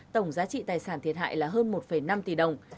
tổng giá trị tài sản thiệt hại là hơn một năm tỷ đồng